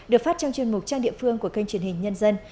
được phát trong chuyên mục trang địa phương của kênh truyền hình nhân dân